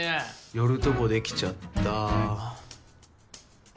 寄るとこ出来ちゃった。